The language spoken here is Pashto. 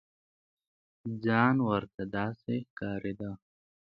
ځان ورته داسې ښکارېده.